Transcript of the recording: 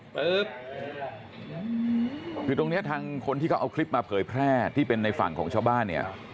ปุ๊บคือตรงนี้ทางคนที่เขาเอาคลิปมาเผยแพร่ที่เป็นในฝั่งของชาวบ้านเนี่ย